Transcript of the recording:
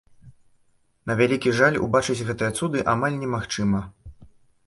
На вялікі жаль, убачыць гэтыя цуды амаль немагчыма.